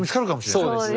そうですね。